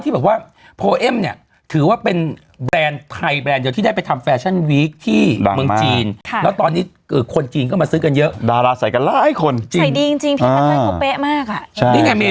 บอกว่าที่เลยคุณได้ใส่มาก่อนแต่วุ่นทุกวันด้ายดาราค่าเดียวใช่